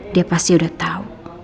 dia pasti udah tau